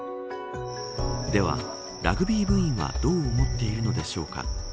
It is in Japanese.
では、ラグビー部員はどう思っているのでしょうか。